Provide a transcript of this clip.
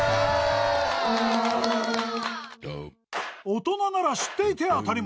［大人なら知っていて当たり前］